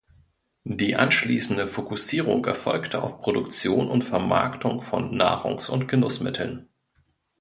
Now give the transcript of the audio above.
Die anschließende Fokussierung erfolgte auf Produktion und Vermarktung von Nahrungs- und Genussmitteln.